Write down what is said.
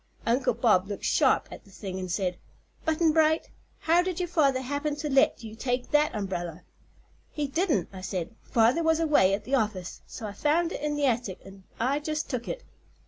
Uncle Bob looked sharp at the thing an' said: 'Button Bright, how did your father happen to let you take that umbrella?' 'He didn't,' I said. 'Father was away at the office, so I found it in the attic an' I jus' took it.'